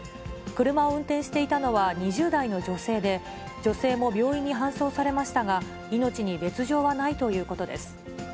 車を運転していたのは２０代の女性で、女性も病院に搬送されましたが、命に別状はないということです。